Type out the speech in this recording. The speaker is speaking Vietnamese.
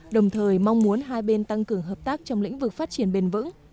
đồng thời mong muốn hai bên tăng cường hợp tác trong lĩnh vực phát triển bền vững